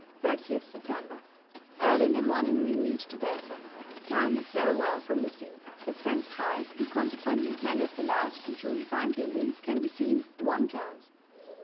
30th September. Early in the morning we reached Odessa. The town looks very well from the sea. It stands high; and consequently many of the large and truly fine buildings can be seen at one glance.